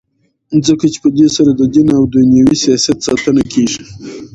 ځکه چي په دی سره ددین او دینوي سیاست ساتنه کیږي.